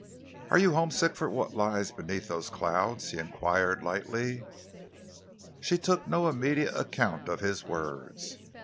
"Are you homesick for what lies beneath those clouds?" he enquired lightly. She took no immediate account of his words.